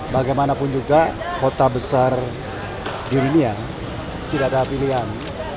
bagaimanapun juga kota besar di dunia tidak ada pilihan